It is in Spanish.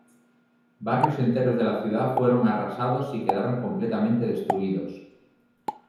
Barrios enteros de la ciudad fueron arrasados y quedaron completamente destruidos.